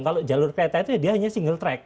kalau jalur pt itu dia hanya single track